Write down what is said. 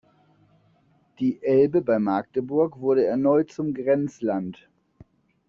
Die Elbe bei Magdeburg wurde erneut zum Grenzland.